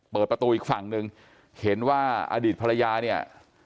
เปิดประตูอีกฝั่งหนึ่งเห็นว่าอดีตภรรยาเนี่ย